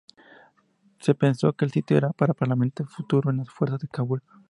Se pensó como el sitio para un parlamento futuro en las afueras de Kabul.